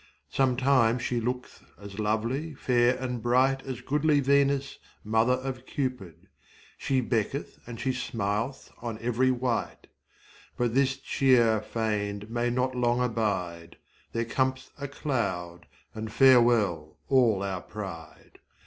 Sometime she look'th as lovely, fair, and bright As goodly Venus, mother of Cupid, She becketh and she smil'th on every wight;3 But this chear4 feigned may not long abide, There com'th a cloud, and farewell all our pride.